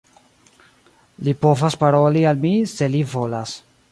Li povas paroli al mi se li volas.